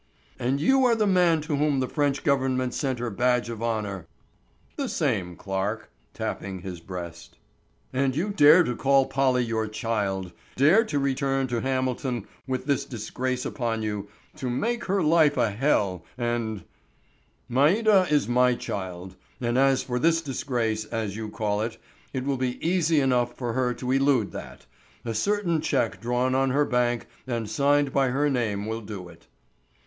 "And you are the man to whom the French government sent her badge of honor!" "The same, Clarke," tapping his breast. "And you dare to call Polly your child; dare to return to Hamilton with this disgrace upon you, to make her life a hell and——" "Maida is my child; and as for this disgrace, as you call it, it will be easy enough for her to elude that; a certain check drawn on her bank and signed by her name will do it."